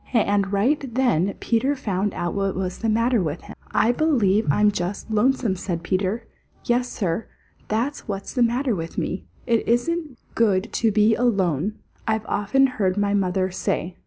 And right then Peter found out what was the matter with him. "I believe I'm just lonesome," said Peter. "Yes, Sir, that's what's the matter with me. "It isn't good to be alone, I've often heard my mother say.